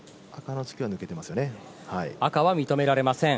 赤が認められません。